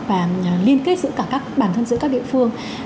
và liên kết giữa cả các bản thân giữa các địa phương